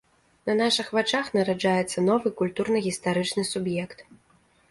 На нашых вачах нараджаецца новы культурна-гістарычны суб'ект.